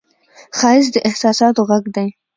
ښایست د احساساتو غږ دی